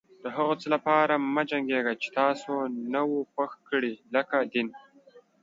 د هغه څه لپاره مه جنګيږئ چې تاسې نه و خوښ کړي لکه دين.